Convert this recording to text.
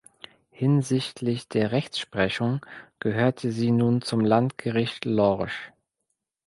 Hinsichtlich der Rechtsprechung gehörte sie nun zum Landgericht Lorsch.